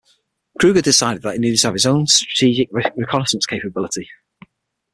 Krueger decided that he needed to have his own strategic reconnaissance capability.